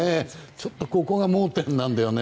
ちょっとここが盲点なんだよね。